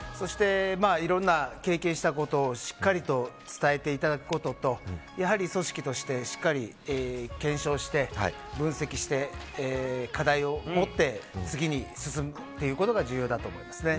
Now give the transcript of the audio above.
いろいろな経験をしたことをしっかりと伝えていただくことと組織として、しっかり検証して、分析して課題を持って次に進むことが重要だと思いますね。